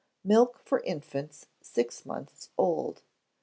Milk for Infants Six Months Old.